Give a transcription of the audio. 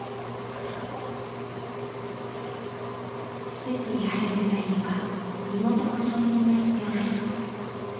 施設に入る際には身元保証人が必要です。